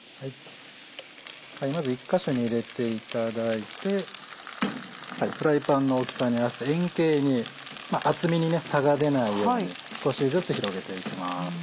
まず１か所に入れていただいてフライパンの大きさに合わせて円形に厚みに差が出ないように少しずつ広げていきます。